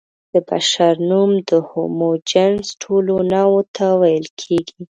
د بشر نوم د هومو جنس ټولو نوعو ته ویل کېږي.